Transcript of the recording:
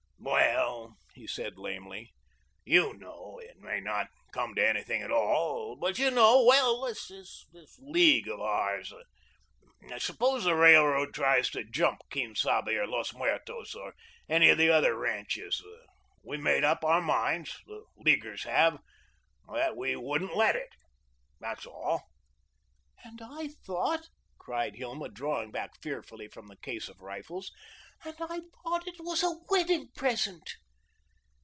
"Well," he said, lamely, "YOU know it may not come to anything at all, but you know well, this League of ours suppose the Railroad tries to jump Quien Sabe or Los Muertos or any of the other ranches we made up our minds the Leaguers have that we wouldn't let it. That's all." "And I thought," cried Hilma, drawing back fearfully from the case of rifles, "and I thought it was a wedding present."